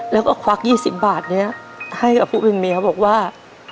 แล้วก็ควัก๒๐บาทนี้ให้กับผู้เป็นเมียบอกว่า